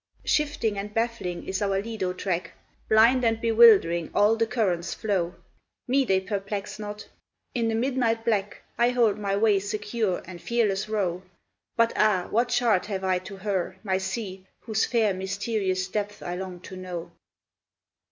Shifting and baffling is our Lido track, Blind and bewildering all the currents flow. Me they perplex not. In the midnight black I hold my way secure and fearless row, But ah! what chart have I to her, my Sea, Whose fair, mysterious depths I long to know?